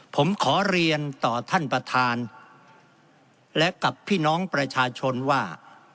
ผมขอเรียนต่อท่านประธานและกับพี่น้องประชาชนว่า